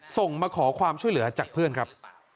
ส่งมาขอความช่วยเหลือจากเพื่อนครับ